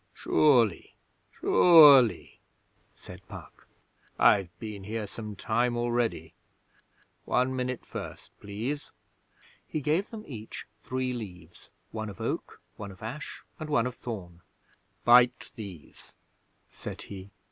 'Surely, sure ly,' said Puck. 'I've been here some time already. One minute first, please.' He gave them each three leaves one of Oak, one of Ash and one of Thorn. 'Bite these,' said he.